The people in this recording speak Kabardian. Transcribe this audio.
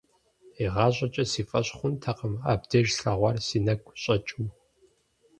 ИгъащӀэкӀэ си фӀэщ хъунтэкъым абдеж слъэгъуар си нэгу щӀэкӀыу.